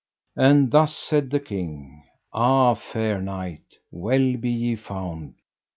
And thus said the king: Ah, fair knight, well be ye found.